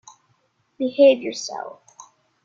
Behave yourself!